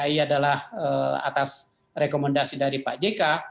dipercaya dia adalah atas rekomendasi dari pak jk